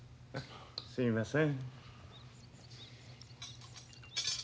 すいません。